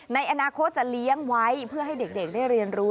ในอนาคตจะเลี้ยงไว้เพื่อให้เด็กได้เรียนรู้